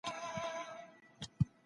اکرام کول د میلمه پالني نښه ده.